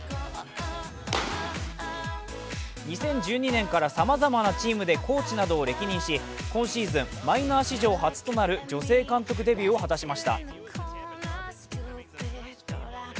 ２０１２年からさまざまなチームでコーチなどを歴任し今シーズンマイナー史上初となる女性監督デビューを果たしました。